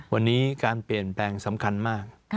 วันนี้การเปลี่ยนแปลงสำคัญมาก